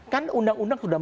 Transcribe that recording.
kan undang undang sudah